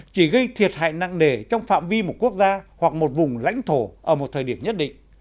chỉ gây thiệt hại nặng nề trong phạm vi một quốc gia hoặc một vùng lãnh thổ ở một thời điểm nhất định